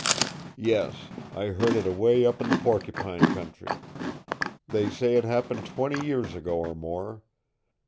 "Yes. I heard it away up in the Porcupine country. They say it happened twenty years ago or more.